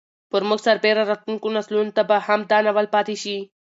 پر موږ سربېره راتلونکو نسلونو ته به هم دا ناول پاتې شي.